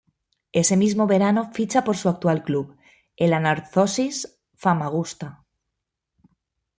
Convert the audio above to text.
Ese mismo verano ficha por su actual club, el Anorthosis Famagusta.